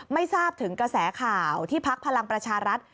ไม่ทราบถึงกระแสข่าวที่พักพลังประชารัฐ